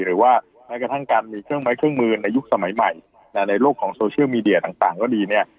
หรือว่าแม้กระทั่งการมีเครื่องไม้เครื่องมือในยุคสมัยใหม่ในโลกของโซเชียลมีเดียต่างก็ดีเนี่ย